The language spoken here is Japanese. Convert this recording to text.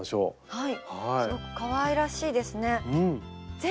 はい。